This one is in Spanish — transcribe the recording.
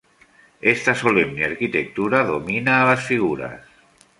Esta solemne arquitectura domina a las figuras.